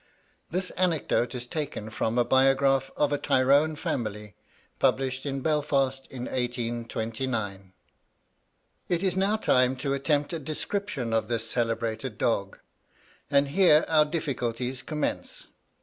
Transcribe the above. This anecdote is taken from a biography of a Tyrone family, published in Belfast in 1829. It is now time to attempt a description of this celebrated dog, and here our difficulties commence.